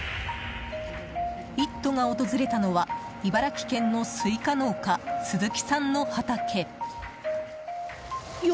「イット！」が訪れたのは茨城県のスイカ農家鈴木さんの畑。